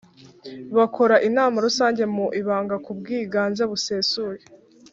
Bakora inama Rusange mu ibanga ku bwiganze busesuye